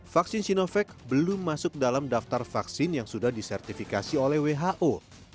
vaksin sinovac belum masuk dalam daftar vaksin yang sudah disertifikasi oleh who